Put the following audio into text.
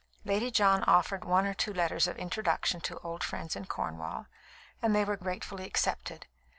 Lady John offered one or two letters of introduction to old friends in Cornwall, and they were gratefully accepted.